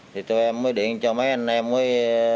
thì tụi em mới điện cho mấy anh em mới